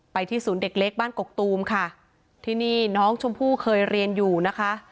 ที่ศูนย์เด็กเล็กบ้านกกตูมค่ะที่นี่น้องชมพู่เคยเรียนอยู่นะคะ